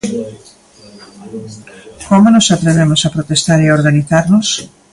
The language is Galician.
Como nos atrevemos a protestar e organizarnos?